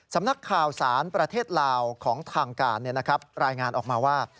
สำนักข่าวสารประเทศลาวของทางการรายงานออกมาว่า